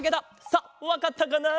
さあわかったかな？